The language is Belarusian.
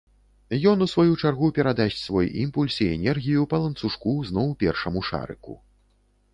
Ён, у сваю чаргу, перадасць свой імпульс і энергію па ланцужку зноў першаму шарыку.